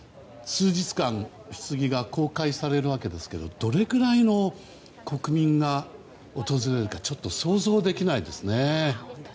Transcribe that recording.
数日間、ひつぎが公開されるわけですけれどもどれくらいの国民が訪れるかちょっと想像できないですよね。